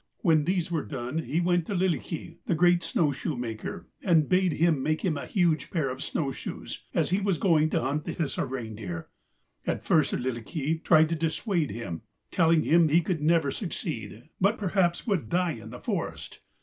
When these were done he went to Lylikki, the great snow shoe maker, and bade him make a huge pair of snow shoes, as he was going to hunt the Hisi reindeer. At first Lylikki tried to dissuade him, telling him he could never succeed, but perhaps would die in the forest.